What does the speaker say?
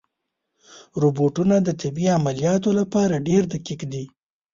روبوټونه د طبي عملیاتو لپاره ډېر دقیق دي.